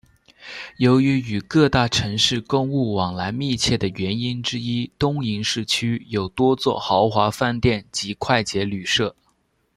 由于与各大城市公务往来密切的原因之一东营市区有多座豪华饭店及快捷旅舍。